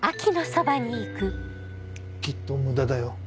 きっと無駄だよ。